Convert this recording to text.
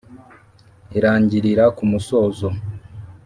Irangirira kumusozo.